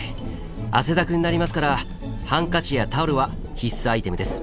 汗だくになりますからハンカチやタオルは必須アイテムです。